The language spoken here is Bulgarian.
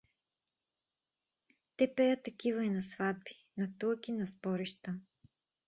Те пеят такива и на сватби, на тлъки, на сборища.